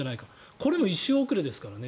これも１週遅れですからね